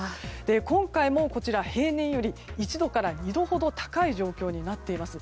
今回も、平年より１度から２度ほど高い状況になっています。